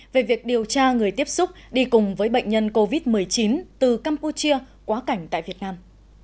về việc điều tra người tiếp xúc đi cùng với bệnh nhân covid một mươi chín từ campuchia quá cảnh tại việt nam